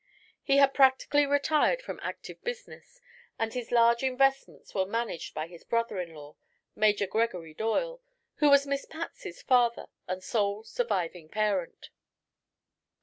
He had practically retired from active business and his large investments were managed by his brother in law, Major Gregory Doyle, who was Miss Patsy's father and sole surviving parent.